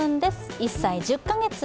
１歳１０か月。